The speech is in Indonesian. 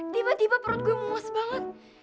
tiba tiba perut gue mungus banget